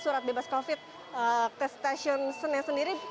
surat bebas covid ke stasiun senen sendiri